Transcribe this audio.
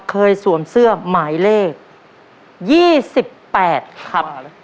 สวมเสื้อหมายเลข๒๘ครับ